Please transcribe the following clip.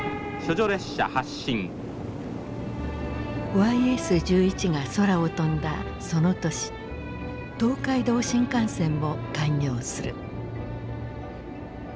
ＹＳ−１１が空を飛んだその年東海道新幹線も開業する。